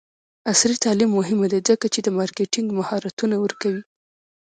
عصري تعلیم مهم دی ځکه چې د مارکیټینګ مهارتونه ورکوي.